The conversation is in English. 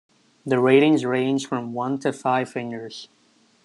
The ratings range from one to five fingers.